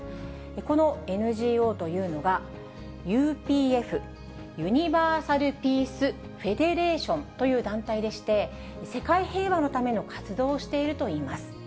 このＮＧＯというのが、ＵＰＦ・ユニバーサル・ピース・フェデレーションという団体でして、世界平和のための活動をしているといいます。